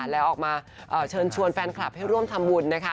แล้วออกมาเชิญชวนแฟนคลับให้ร่วมทำบุญนะคะ